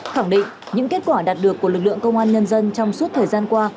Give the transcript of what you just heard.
khẳng định những kết quả đạt được của lực lượng công an nhân dân trong suốt thời gian qua